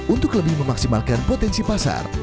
untuk lebih memaksimalkan potensi pasar